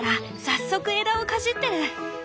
早速枝をかじってる。